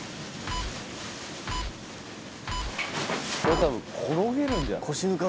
これ多分転げるんじゃない？